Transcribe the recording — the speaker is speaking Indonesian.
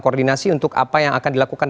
koordinasi untuk apa yang akan dilakukan